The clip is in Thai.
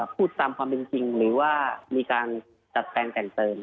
พูดตามความเป็นจริงหรือว่ามีการจัดแฟนแต่งเติม